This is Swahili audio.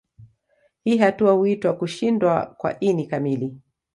Hii hatua huitwa kushindwa kwa ini kamili